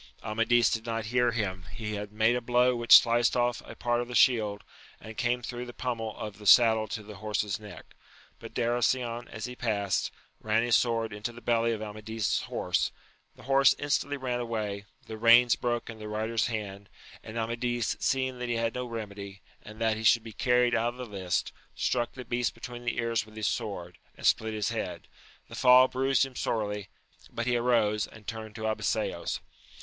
Amadis did not hear him ; he had made a blow which sliced off a part of the shield, and came through the pummel of the saddle to the horse's neck; but Darasion as he past, ran his sword into the belly of Amadis's horse; the horse instantly ran away *, ttx^e xevika Xst^^y^ ycl t\!A xidftr'a hand, and AMADIS OF GAUL. 239 Amadis seeing that he had no remedy, and that he should be carried out of the lists, struck the beast between the ears with his sword, and split his head ; the fall bruised him sorely, but he arose, and turned to Abiseos.